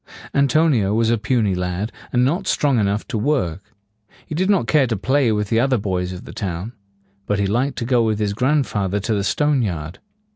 An to ni o was a puny lad, and not strong enough to work. He did not care to play with the other boys of the town. But he liked to go with his grandfather to the stone yard.